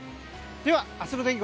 では明日の天気